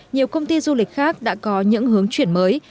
nhiều công ty du lịch khác đã có những hướng chuyển mới